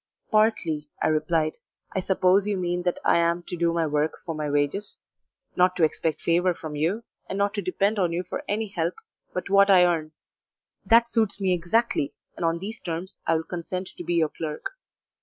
"Partly," I replied. "I suppose you mean that I am to do my work for my wages; not to expect favour from you, and not to depend on you for any help but what I earn; that suits me exactly, and on these terms I will consent to be your clerk."